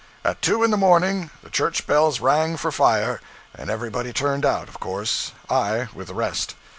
At two in the morning, the church bells rang for fire, and everybody turned out, of course I with the rest.